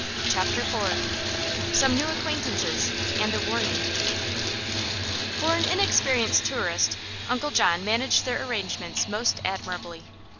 CHAPTER IV SOME NEW ACQUAINTANCES, AND A WARNING For an inexperienced tourist Uncle John managed their arrangements most admirably.